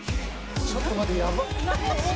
「ちょっと待ってやばっ」